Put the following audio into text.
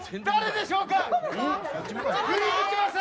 誰でしょうか！